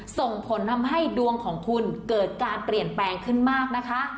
ส่งผลทำให้ดวงของคุณเกิดการเปลี่ยนแปลงขึ้นมากนะคะ